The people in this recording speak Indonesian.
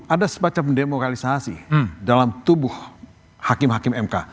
ada semacam demokratisasi dalam tubuh hakim hakim mk